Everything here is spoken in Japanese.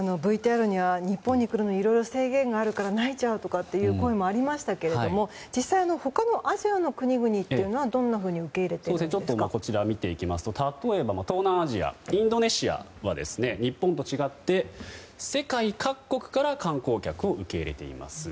ＶＴＲには日本に来るのにいろいろ制限があるからなえちゃうという声もありましたけども実際、他のアジアの国々はどんなふうにこちらを見てみますと例えば東南アジアインドネシアは日本と違って世界各国から観光客を受け入れています。